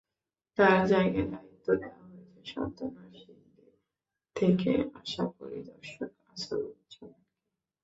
তাঁর জায়গায় দায়িত্ব দেওয়া হয়েছে সদ্য নরসিংদী থেকে আসা পরিদর্শক আসাদুজ্জামানকে।